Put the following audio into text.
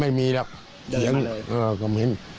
ไม่มีหรอกเถียงกับเหมือน